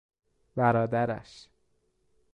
برادرش